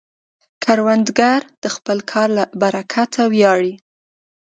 کروندګر د خپل کار له برکته ویاړي